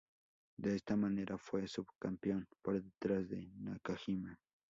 De esta manera, fue subcampeón por detrás de Nakajima.